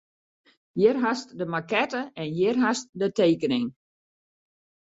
Hjir hast de makette en hjir hast de tekening.